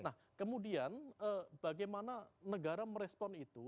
nah kemudian bagaimana negara merespon itu